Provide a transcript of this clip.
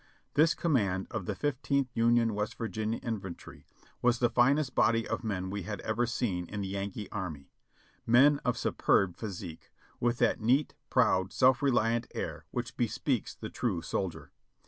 This command of the Fifteenth Union West Virginia Infantry was the finest body of men we had ever seen in the Yankee Army; men of superb physique, with that neat, proud, self reliant air which bespeaks the true soldier.